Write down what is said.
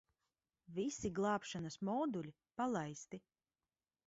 Visi glābšanas moduļi palaisti.